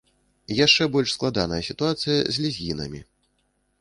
Яшчэ больш складаная сітуацыя з лезгінамі.